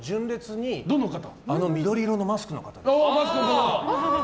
あの緑色のマスクの方。